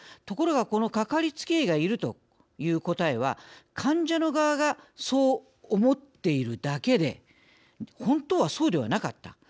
ところがこの、かかりつけ医がいるという答えは患者の側がそう思っているだけで本当は、そうではなかった。